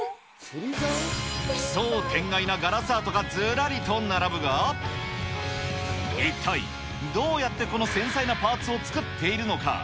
奇想天外なガラスアートがずらりと並ぶが、一体、どうやってこの繊細なパーツを作っているのか。